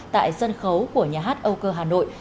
tại sân khấu của nhà hát âu cơ hà nội